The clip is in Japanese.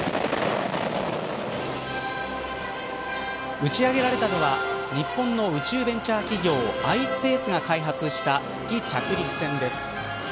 打ち上げられたのは日本の宇宙ベンチャー企業ｉｓｐａｃｅが開発した月着陸船です。